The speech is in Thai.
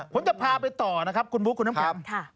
ผมจะพาไปต่อนะครับคุณบุ๊คคุณน้ำแข็ง